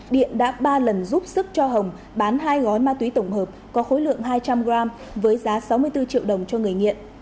điện đã ba lần giúp sức cho hồng bán hai gói ma túy tổng hợp có khối lượng hai trăm linh g với giá sáu mươi bốn triệu đồng cho người nghiện